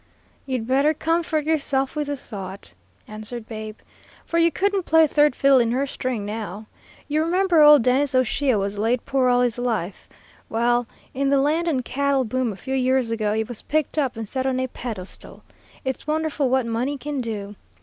"You'd better comfort yourself with the thought," answered Babe, "for you couldn't play third fiddle in her string now. You remember old Dennis O'Shea was land poor all his life. Well, in the land and cattle boom a few years ago he was picked up and set on a pedestal. It's wonderful what money can do!